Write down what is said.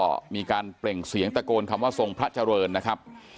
ก็มีการเปล่งเสียงตะโกนคำว่าทรงพระเจริญนะครับ